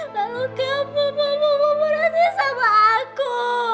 lalu kenapa papa mau perhatian sama aku